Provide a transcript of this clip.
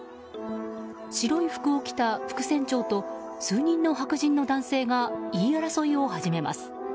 白い服を着た副船長と数人の白人の男性が言い争いを始めます。